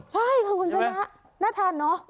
ใช่ค่ะคุณชนะน่าทานเนอะ